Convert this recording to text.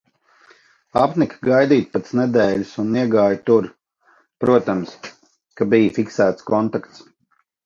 Apnika gaidīt pēc nedēļas un iegāju tur, protams, ka bija fiksēts kontakts.